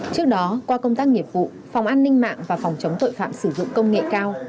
trước đó qua công tác nghiệp vụ phòng an ninh mạng và phòng chống tội phạm sử dụng công nghệ cao